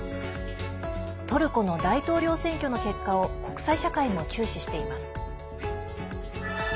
トルコの大統領選挙の結果を国際社会も注視しています。